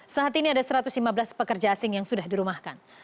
saat ini ada satu ratus lima belas pekerja asing yang sudah dirumahkan